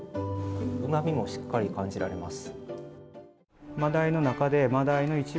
うまみもしっかり感じられます。